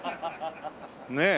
ねえ。